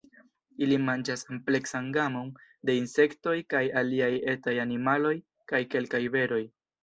Ili manĝas ampleksan gamon de insektoj kaj aliaj etaj animaloj kaj kelkaj beroj.